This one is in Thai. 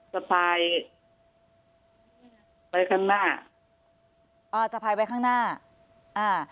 สะพายไปข้างหน้าอ่าสะพายไว้ข้างหน้าอ่า